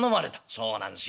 「そうなんすよ。